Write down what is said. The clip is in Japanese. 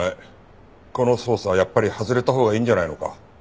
やっぱり外れたほうがいいんじゃないのか。